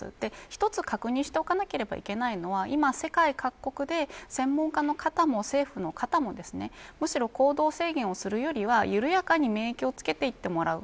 一つ確認しておかないといけないのは今、世界各国で専門家の方も政府の方もむしろ、行動制限をするよりは緩やかに免疫をつけていってもらう。